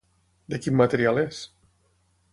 De quin material és?